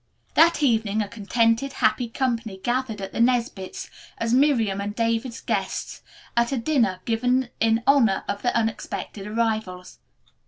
That evening a contented, happy company gathered at the Nesbits, as Miriam's and David's guests, at a dinner given in honor of the unexpected arrivals.